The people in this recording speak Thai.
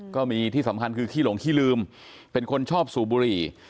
ก็มีที่สำคัญคือขี้หลงขี้ลืมเป็นคนชอบสูบบุหรี่